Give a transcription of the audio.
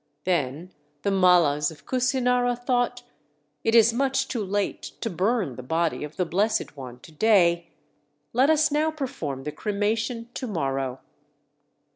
Then the Mallas of Kusinara thought: "It is much too late to burn the body of the Blessed One to day. Let us now perform the cremation to morrow."